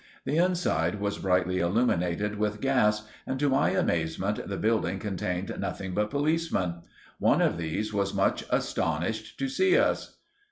The inside was brightly illuminated with gas and, to my amazement, the building contained nothing but policemen. One of these was much astonished to see us.